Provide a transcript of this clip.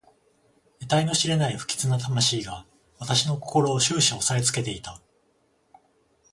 えたいの知れない不吉な魂が私の心を始終おさえつけていた。